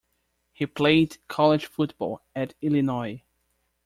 He played college football at Illinois.